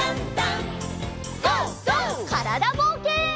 からだぼうけん。